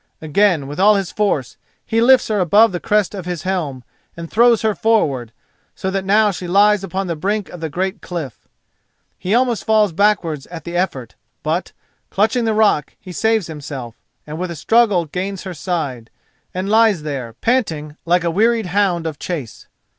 Again with all his force he lifts her above the crest of his helm and throws her forward, so that now she lies upon the brink of the great cliff. He almost falls backward at the effort, but, clutching the rock, he saves himself, and with a struggle gains her side, and lies there, panting like a wearied hound of chase.